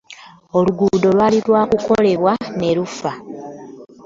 Oluguudo lwali lwakakolebwa ne lufa.